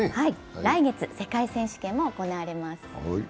来月世界選手権も行われます。